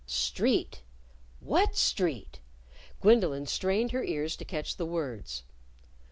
Street! What street? Gwendolyn strained her ears to catch the words.